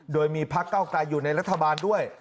โดยมีพักเก้าไกรอยู่ในรัฐบาลด้วย